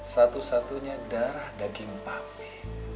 satu satunya darah daging papi